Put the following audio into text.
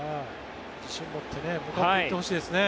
自信を持って向かっていってほしいですね。